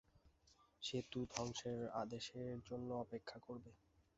সেতু ধ্বংসের আদেশের জন্য অপেক্ষা করবে।